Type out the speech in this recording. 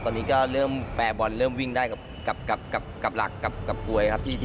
ตอนนี้ก็เริ่มแปรบอลเริ่มวิ่งได้กับหลักกับกลวยครับ